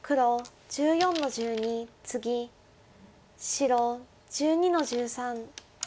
白１２の十三。